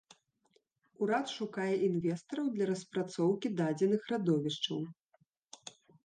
Урад шукае інвестараў для распрацоўкі дадзеных радовішчаў.